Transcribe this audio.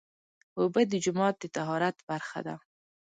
اوبه د جومات د طهارت برخه ده.